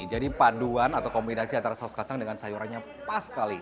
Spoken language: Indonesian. jadi panduan atau kombinasi antara saus kacang dengan sayurannya pas sekali